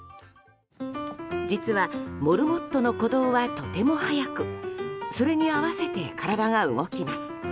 実は、モルモットの鼓動はとても速くそれに合わせて体が動きます。